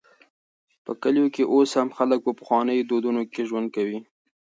په کلیو کې اوس هم خلک په پخوانيو دودونو ژوند کوي.